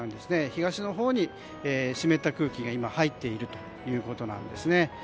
東のほうに湿った空気が今入っているということなんです。